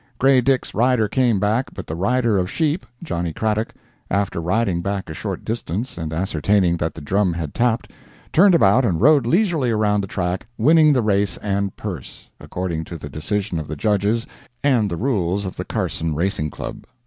"Grey Dick's" rider came back, but the rider of "Sheep" (Johnny Craddock), after riding back a short distance and ascertaining that the drum had tapped, turned about and rode leisurely around the track, winning the race and purse, according to the decision of the Judges and the rules of the Carson Racing Club.